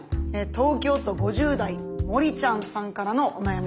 東京都５０代森ちゃんさんからのお悩みです。